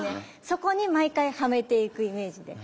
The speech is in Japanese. そこに毎回はめていくイメージで。